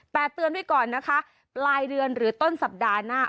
แต่เตือนไว้ก่อนนะคะปลายเดือนหรือต้นสัปดาห์หน้า